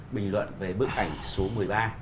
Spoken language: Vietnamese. bình luận về bức ảnh số một mươi ba